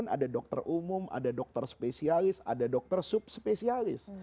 ada dokter umum ada dokter spesialis ada dokter subspesialis